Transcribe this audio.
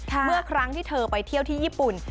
เมื่อครั้งที่เธอไปเที่ยวที่ญี่ปุ่น